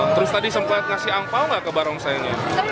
terus tadi sempat ngasih angpao gak ke barongsainya